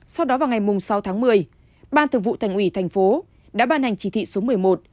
sau đó vào ngày sáu tháng một mươi ban thượng vụ thành ủy thành phố đã ban hành chỉ thị số một mươi một